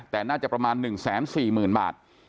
แต่น่าจะประมาณ๑๔๐๐๐บาท